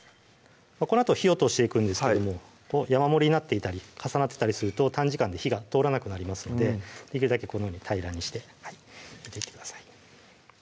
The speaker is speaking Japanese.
このあと火を通していくんですけども山盛りになっていたり重なってたりすると短時間で火が通らなくなりますのでできるだけこのように平らにして入れていってください